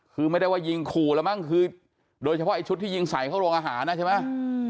คือไม่ได้ว่ายิงขู่แล้วมั้งคือโดยเฉพาะไอ้ชุดที่ยิงใส่เข้าโรงอาหารนะใช่ไหม